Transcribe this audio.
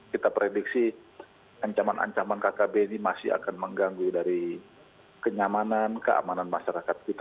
kita prediksi ancaman ancaman kkb ini masih akan mengganggu dari kenyamanan keamanan masyarakat kita